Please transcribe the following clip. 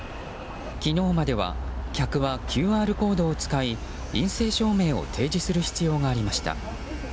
昨日までは客はＱＲコードを使い陰性証明を提示する必要がありました。